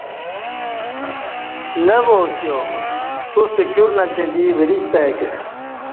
نہ واسیا توستہ کیور نچیں دی وریست ای کہ